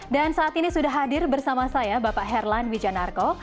dan saat ini sudah hadir bersama saya bapak herlan wijanarko